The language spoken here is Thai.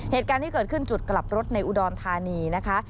เหตุการณ์ที่เกิดขึ้นจุดกลับรถในอุดรธานีนะคะ